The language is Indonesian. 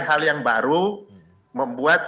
hal yang baru membuat